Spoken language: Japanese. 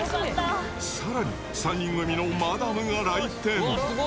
さらに、３人組のマダムが来店。